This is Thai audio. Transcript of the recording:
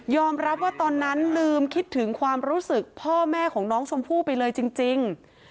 รับว่าตอนนั้นลืมคิดถึงความรู้สึกพ่อแม่ของน้องชมพู่ไปเลยจริง